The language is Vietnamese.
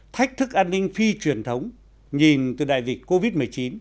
thách thức an ninh phi truyền thống nhìn từ đại dịch covid một mươi chín